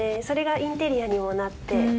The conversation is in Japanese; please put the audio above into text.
それがインテリアにもなって。